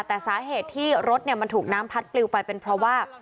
แต่สาเหตุที่รถมันถูกน้ำพัดปลิวไปเป็นเพราะว่า